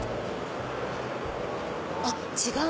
あっ違う！